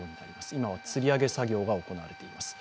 今はつり揚げ作業が行われています。